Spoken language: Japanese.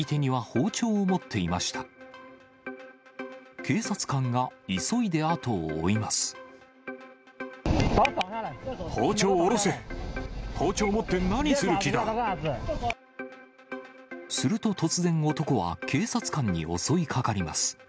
包丁を持って何すると突然、男は警察官に襲いかかります。